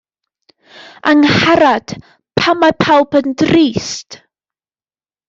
Angharad, pam mae pawb yn drist